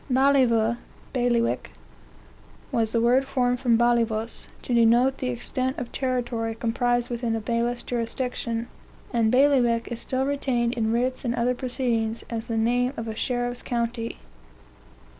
Balliva (bailiwick) was the word formed from ballivus, to denote the extent of territory comprised within a bailiff's jurisdiction; and bailiwick is still retained in writs and other proceedings, as the name of a sheriff's county.